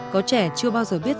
có trẻ chưa bao giờ biết